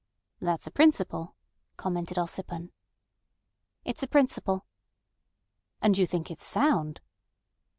"That's a principle?" commented Ossipon. "It's a principle." "And you think it's sound?"